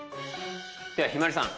ではひまりさん